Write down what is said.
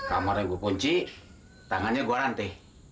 aku kunci tangannya gua rantai